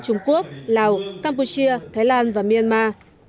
trung quốc lào campuchia thái lan và myanmar